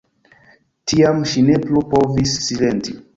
Tiam ŝi ne plu povis silenti.